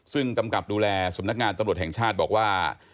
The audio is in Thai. ซึ่งกำกับดูแลสำนักงานตำรวจแห่งชาติบอกว่า